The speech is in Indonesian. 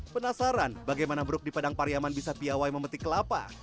penasaran bagaimana bruk di padang pariaman bisa piawai memetik kelapa